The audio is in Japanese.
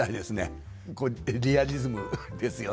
これリアリズムですよね。